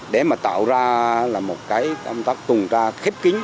để tạo ra một công tác tuần tra khép kính